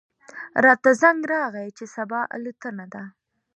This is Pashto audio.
راته زنګ راغی چې صبا الوتنه ده.